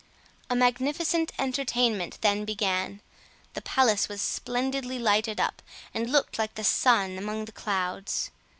A magnificent entertainment then began: the palace was splendidly lighted up, and looked like the sun among the clouds.